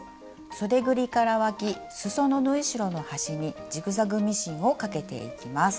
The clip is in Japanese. そでぐりからわきすその縫い代の端にジグザグミシンをかけていきます。